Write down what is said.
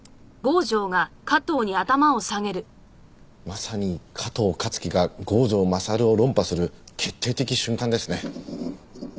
まさに加藤香月が郷城勝を論破する決定的瞬間ですね。